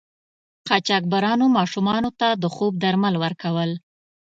قاچاقبرانو ماشومانو ته د خوب درمل ورکول.